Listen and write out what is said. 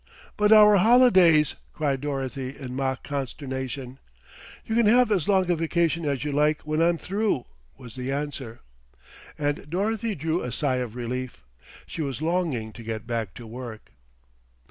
"But our holidays!" cried Dorothy in mock consternation. "You can have as long a vacation as you like when I'm through," was the answer, and Dorothy drew a sigh of relief. She was longing to get back to work.